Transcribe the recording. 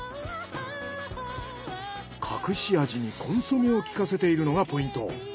隠し味にコンソメをきかせているのがポイント。